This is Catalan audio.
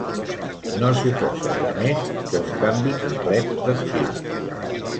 No suposa res més que un canvi complet d'estil.